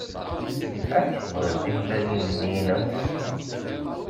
Amek tebɣiḍ timellalin-nni-inem?